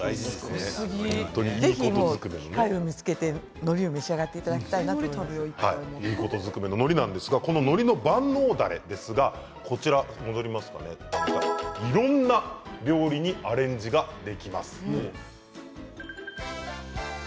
ぜひ機会を見つけてのりを召し上がっていただきたいのりの万能だれいろんな料理にアレンジできます。